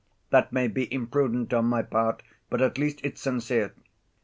That may be imprudent on my part, but at least it's sincere.